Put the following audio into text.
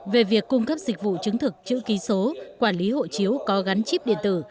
về việc cung cấp dịch vụ chứng thực chữ ký số quản lý hộ chiếu có gắn chip điện tử